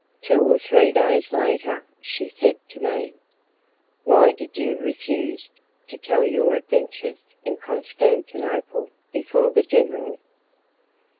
Two or three days later, she said to me, "Why did you refuse to tell your adventures in Constantinople before the general?"